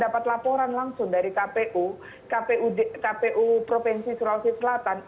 dapat laporan langsung dari kpu provinsi sulawesi selatan